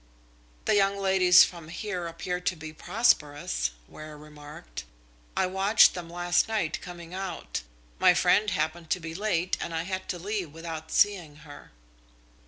"The young ladies from here appear to be prosperous," Ware remarked. "I watched them last night coming out. My friend happened to be late, and I had to leave without seeing her."